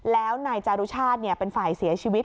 แล้วนายจารุชาติเป็นฝ่ายเสียชีวิต